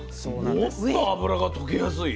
もっと脂が溶けやすい？